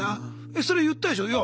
えそれ言ったでしょ？